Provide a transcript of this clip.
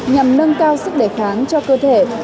nhằm nâng cao sức đề kháng cho cơ thể